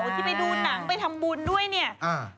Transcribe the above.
ที่ไปดูหนังไปทำบุญด้วยเนี่ย